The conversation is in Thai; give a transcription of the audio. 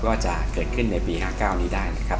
ว่าจะเกิดขึ้นในปี๕๙นี้ได้นะครับ